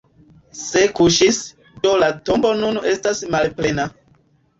Se "kuŝis", do la tombo nun estas malplena.